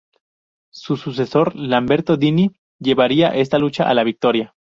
Su sucesor, Lamberto Dini, llevaría esta lucha a la victoria.